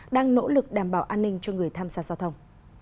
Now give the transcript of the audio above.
đang nỗ lực đảm bảo an ninh cho người tham gia giao thông